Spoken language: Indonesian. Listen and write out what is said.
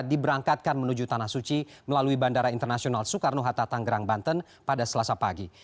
diberangkatkan menuju tanah suci melalui bandara internasional soekarno hatta tanggerang banten pada selasa pagi